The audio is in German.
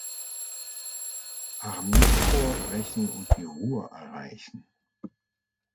Armeekorps brechen und die Rur erreichen.